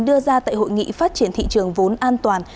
đưa ra tại hội nghị phát triển thị trường vốn an toàn